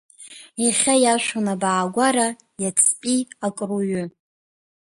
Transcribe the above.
Иахьа иашәон абаагәара, иацтәи акруҩы.